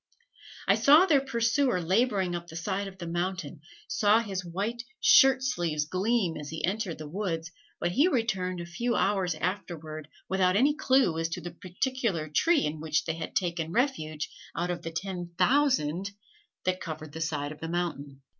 I saw their pursuer laboring up the side of the mountain; saw his white shirt sleeves gleam as he entered the woods; but he returned a few hours afterward without any clew as to the particular tree in which they had taken refuge out of the ten thousand that covered the side of the mountain.